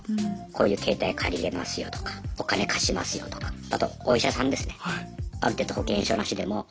こういう携帯借りれますよとかお金貸しますよとかあとお医者さんですねある程度保険証なしでも。